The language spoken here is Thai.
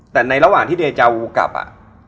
แต่ในระหว่างที่เดยจะเอาวูกลับอ่ะ